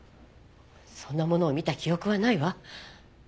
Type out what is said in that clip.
そんなものを見た記憶はないわ。